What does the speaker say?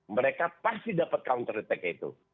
mereka pasti dapat counter attack itu